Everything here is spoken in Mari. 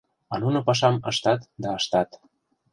А нуно пашам ыштат да ыштат.